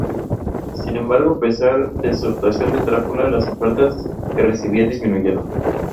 Favoreciendo en mucho a los comediantes que se acercaban a la ciudad.